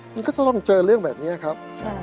มันก็ต้องเจอเรื่องแบบนี้ครับ